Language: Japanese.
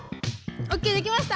オッケーできました！